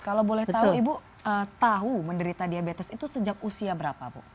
kalau boleh tahu ibu tahu menderita diabetes itu sejak usia berapa bu